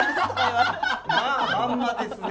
まあまんまですね。